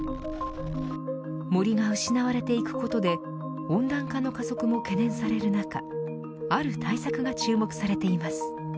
森が失われていくことで温暖化の加速も懸念される中ある対策が注目されています。